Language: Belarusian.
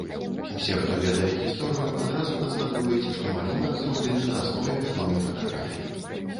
Усе, хто ведае гісторыю, адразу канстатуюць, што малюнак зроблены на аснове вядомай фатаграфіі.